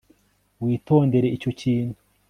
witondere icyo kintu